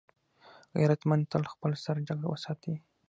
غیرتمند تل خپل سر جګ وساتي